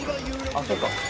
あっそうか。